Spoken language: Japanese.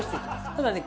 ただね